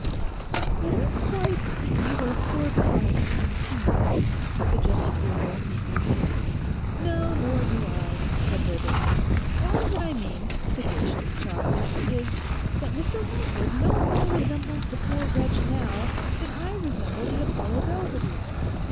'I don't quite see where poor Paris comes in,' suggested Grisel meekly. 'No, nor do I,' said Herbert. 'All that I mean, sagacious child, is, that Mr Lawford no more resembles the poor wretch now than I resemble the Apollo Belvedere.